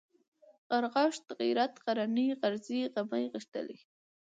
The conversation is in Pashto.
غرغښت ، غيرت ، غرنى ، غرزی ، غمی ، غښتلی